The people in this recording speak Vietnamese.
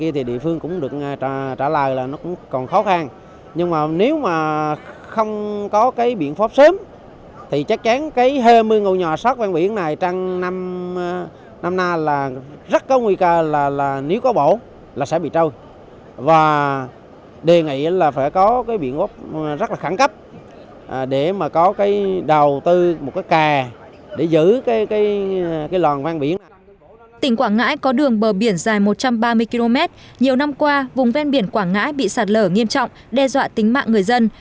tỉnh quảng ngãi có đường bờ biển dài một trăm ba mươi km nhiều năm qua vùng ven biển quảng ngãi bị sạt lờ nghiêm trọng đe dọa tính mạng người dân